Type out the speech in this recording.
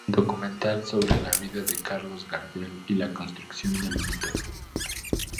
Documental sobre la vida de Carlos Gardel y la construcción del mito.